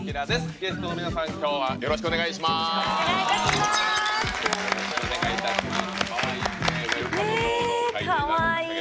ゲストの皆さんよろしくお願いいたします。